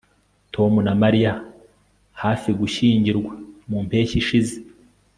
Tom na Mariya hafi gushyingirwa mu mpeshyi ishize